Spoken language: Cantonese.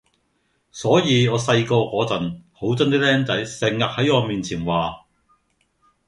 所以我細個嗰陣好憎啲儬仔成日喺我面前話